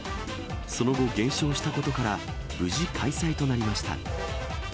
その後、減少したことから、無事、開催となりました。